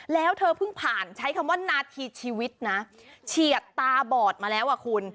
แล้วเธอเพิ่งผ่านใช้คำว่านาทีชีวิตนะเฉียดตาบอดมาแล้วอ่ะคุณ